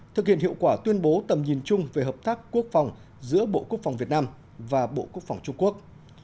thực hiện hiệu quả tuyên bố tầm nhìn chung về hợp tác quốc phòng giữa bộ quốc phòng việt nam và bộ quốc phòng trung quốc